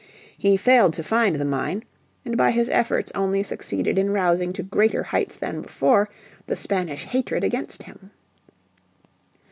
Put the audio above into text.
He failed to find the mine, and by his efforts only succeeded in rousing to greater heights than before the Spanish hatred against him.